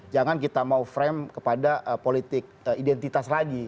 jangan kita mau frame kepada politik identitas lagi